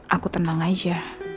aku tenang aja